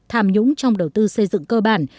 tham nhũng trong đầu tư xây dựng cơ bản